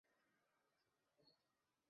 副榜始于元朝至正八年。